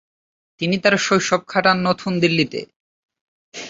তিনি তার শৈশব কাটান নতুন দিল্লিতে।